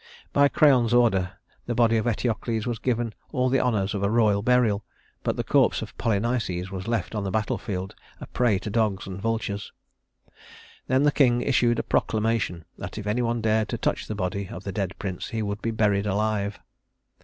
By Creon's order the body of Eteocles was given all the honors of a royal burial; but the corpse of Polynices was left on the battle field a prey to dogs and vultures. Then the king issued a proclamation that if any one dared to touch the body of the dead prince, he would be buried alive.